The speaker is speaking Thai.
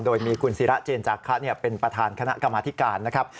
โดยมีคุณศิราเจนจาคะเป็นประธานคณะกรรมธิการนะครับ